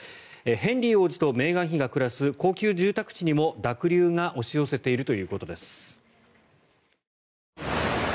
ヘンリー王子とメーガン妃が暮らす高級住宅地にも濁流が押し寄せているということです。